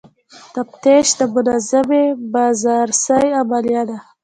تفتیش د منظمې بازرسۍ عملیه ده.